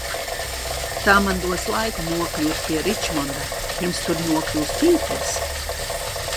Tā man dos laiku nokļūt pie Ričmonda, pirms tur nokļūst Pīters?